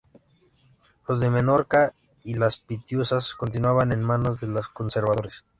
Los de Menorca y las Pitiusas continuaban en manos de los conservadores.